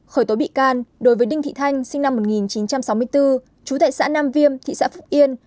khởi tố bị can đối với đinh thị thanh sinh năm một nghìn chín trăm sáu mươi bốn chú tại xã nam viêm thị xã phúc yên